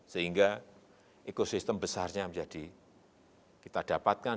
sehingga ekosistem besarnya menjadi kita dapatkan